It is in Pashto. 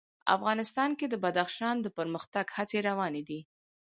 افغانستان کې د بدخشان د پرمختګ هڅې روانې دي.